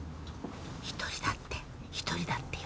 １人だって１人だってよ。